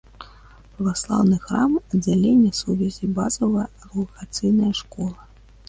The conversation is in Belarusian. Праваслаўны храм, аддзяленне сувязі, базавая агульнаадукацыйная школа.